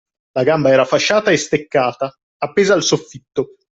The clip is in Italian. La gamba era fasciata e steccata, appesa al soffitto.